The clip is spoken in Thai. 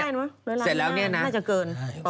โรงสรีข้าวนั้นน่ะงั้นน่ะ